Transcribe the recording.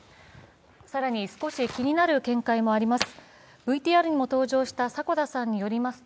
更に少し気になる見解もあります。